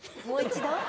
もう一度？